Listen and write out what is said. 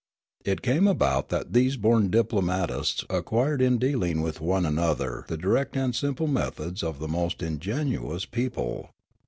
It came about that these born diplomatists acquired in dealing with one another the direct and simple methods of the most ingenuous peo ple.